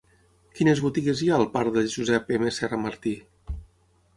Quines botigues hi ha al parc de Josep M. Serra Martí?